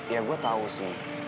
ya gue tahu sih